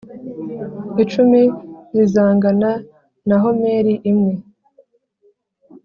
icumi zizangana na homeri imwe